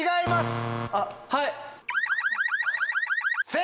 はい！